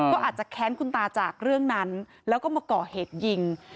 ก็อาจจะแค้นคุณตาจากเรื่องนั้นแล้วก็มาก่อเหตุยิง